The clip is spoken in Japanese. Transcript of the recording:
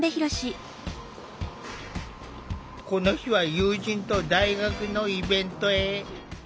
この日は友人と大学のイベントへ。